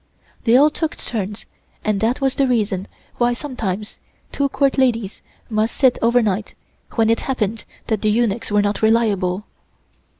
They all took turns, and that was the reason why sometimes two Court ladies must sit overnight when it happened that the eunuchs were not reliable.